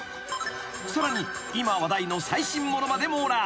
［さらに今話題の最新ものまで網羅］